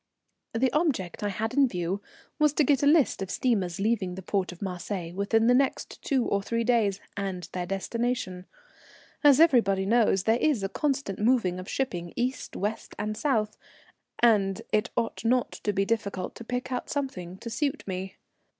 The object I had in view was to get a list of steamers leaving the port of Marseilles within the next two or three days, and their destination. As everybody knows, there is a constant moving of shipping East, West, and South, and it ought not to be difficult to pick out something to suit me.